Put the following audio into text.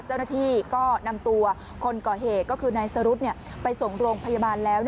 เจ้าหน้าที่ก็นำตัวคนก่อเหตุก็คือนายสรุธไปส่งโรงพยาบาลแล้ว